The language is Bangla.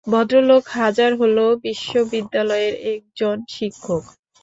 ভদ্রলোক হাজার হলেও বিশ্ববিদ্যালয়ের এক জন শিক্ষক।